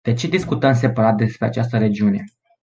De ce discutăm separat despre această regiune?